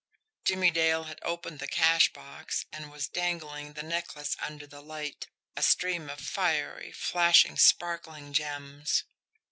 Jimmie Dale had opened the cash box and was dangling the necklace under the light a stream of fiery, flashing, sparkling gems.